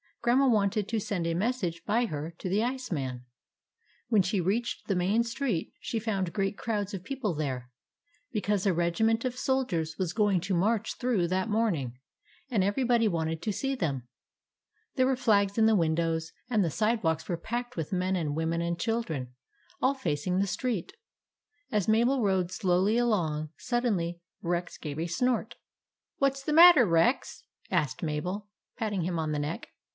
Grandma wanted to send a message by her to the ice man. When she reached the main street she found great crowds of people there, because a regiment of soldiers was going to march through that morning, and everybody wanted to see them. There were flags in the windows, and the sidewalks were packed with men and women and children, all facing the street. As Mabel rode slowly along, suddenly Rex gave a snort. " What 's the matter, Rex? " asked Mabel, patting him on the neck.